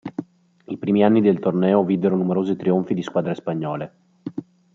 I primi anni del torneo videro numerosi trionfi di squadre spagnole.